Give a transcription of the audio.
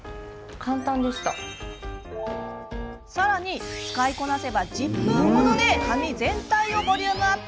さらに、使いこなせば１０分程で髪全体をボリュームアップ。